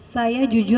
saya jujur lupa